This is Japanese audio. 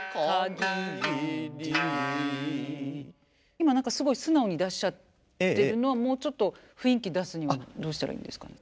今何かすごい素直に出しちゃってるのはもうちょっと雰囲気出すにはどうしたらいいんですかね？